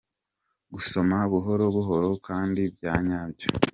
Kugusoma buhoro buhoro kandi bya nyabyo.